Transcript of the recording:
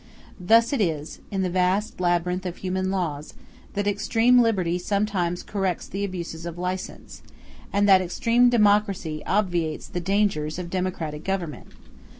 Thus it is, in the vast labyrinth of human laws, that extreme liberty sometimes corrects the abuses of license, and that extreme democracy obviates the dangers of democratic government.